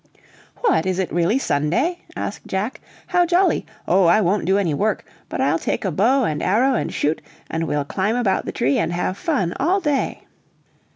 "What, is it really Sunday?" asked Jack; "how jolly! oh, I won't do any work, but I'll take a bow and arrow and shoot, and we'll climb about the tree and have fun all day."